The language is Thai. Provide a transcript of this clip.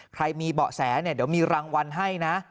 ใครมีเบาะแสเนี่ยเดี๋ยวมีรางวัลให้นะ